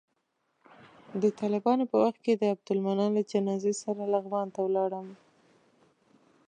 د طالبانو په وخت کې د عبدالمنان له جنازې سره لغمان ته ولاړم.